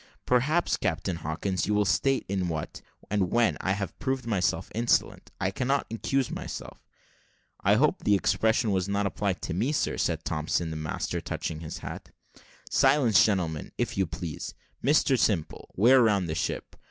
"Perhaps, Captain Hawkins, you will state in what, and when, I have proved myself insolent. I cannot accuse myself." "I hope the expression was not applied to me, sir," said Thompson, the master, touching his hat. "Silence, gentlemen, if you please. Mr Simple, wear round the ship."